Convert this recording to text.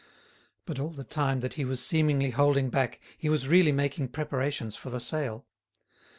But all the time that he was seemingly holding back he was really making preparations for the sale.